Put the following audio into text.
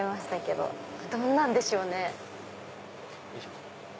どんなんでしょうね？